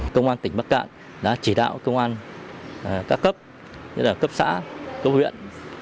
công an tỉnh bắc cạn đã chỉ đạo công an các cấp như là cấp xã cấp huyện